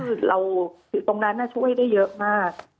ก็คือเราตรงนั้นน่ะช่วยได้เยอะมาก